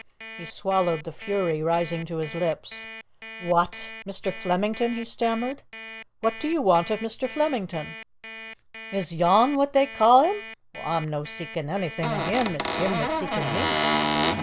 He swallowed the fury rising to his lips. "What! Mr. Flemington?" he stammered. "What do you want of Mr. Flemington?" "Is yon what they ca' him? Well, a'm no seekin' onything o' him. It's him that's seekin' me."